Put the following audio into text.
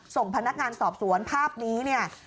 ส่งพนักงานสอบสวนภาพนี้เนี่ย